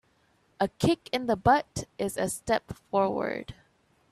A kick in the butt is a step forward.